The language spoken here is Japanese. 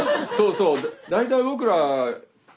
そう。